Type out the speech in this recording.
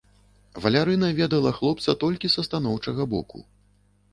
Валярына ведала хлопца толькі са станоўчага боку.